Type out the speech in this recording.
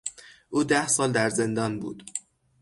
او ده سال در زندان بود.